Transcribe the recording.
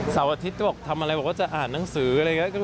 เสาร์อาทิตย์วันตกทำอะไรบอกว่าจะอ่านหนังสือ